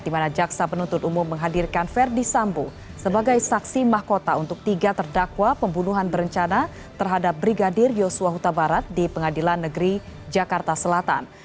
di mana jaksa penuntut umum menghadirkan verdi sambo sebagai saksi mahkota untuk tiga terdakwa pembunuhan berencana terhadap brigadir yosua huta barat di pengadilan negeri jakarta selatan